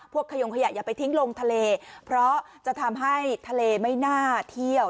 ขยงขยะอย่าไปทิ้งลงทะเลเพราะจะทำให้ทะเลไม่น่าเที่ยว